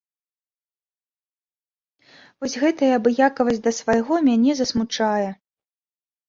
Вось гэтая абыякавасць да свайго мяне засмучае.